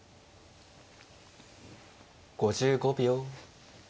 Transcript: ５５秒。